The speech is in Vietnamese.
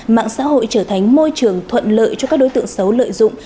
mạng xã hội trở thành môi trường thuận lợi cho các đối tượng xấu lợi dụng